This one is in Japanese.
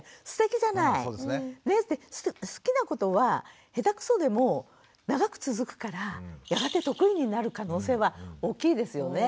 好きなことは下手くそでも長く続くからやがて得意になる可能性は大きいですよね。